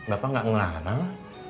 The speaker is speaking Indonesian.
bapak enggak ngelarang